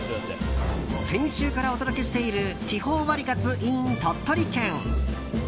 先週からお届けしている地方ワリカツｉｎ鳥取県。